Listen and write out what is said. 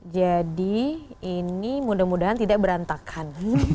jadi ini mudah mudahan tidak berantakan